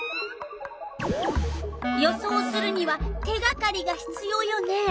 予想をするには手がかりがひつようよね。